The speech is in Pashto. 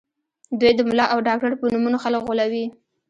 دوی د ملا او ډاکټر په نومونو خلک غولوي